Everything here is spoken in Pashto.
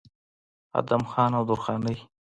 ادم خان او درخانۍ